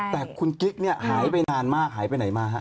แต่คุณกิ๊กเนี่ยหายไปนานมากหายไปไหนมาฮะ